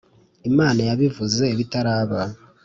imana yabivuze bitaraba